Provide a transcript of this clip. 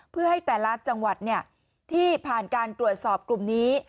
เพื่อให้แต่ละจังหวัดที่ผ่านการตรวจสอบกลุ่มนี้